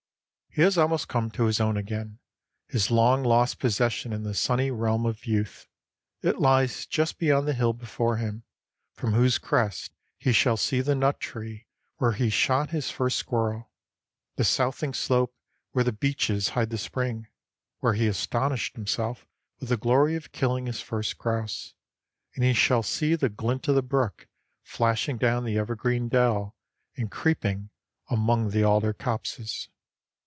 He has almost come to his own again, his long lost possession in the sunny realm of youth. It lies just beyond the hill before him, from whose crest he shall see the nut tree where he shot his first squirrel, the southing slope where the beeches hide the spring, where he astonished himself with the glory of killing his first grouse, and he shall see the glint of the brook flashing down the evergreen dell and creeping among the alder copses.